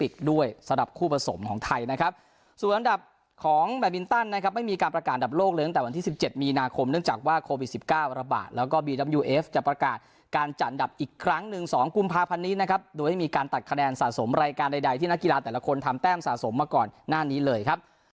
คุณพาพันนี้นะครับโดยไม่มีการตัดคะแนนสะสมรายการใดที่นักกีฬาแต่ละคนทำแต้มสะสมมาก่อนหน้านี้เลยครับ